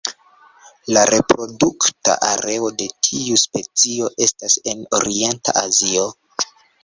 La reprodukta areo de tiu specio estas en Orienta Azio.